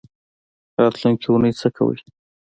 راتلونکۍ اونۍ څه کوئ؟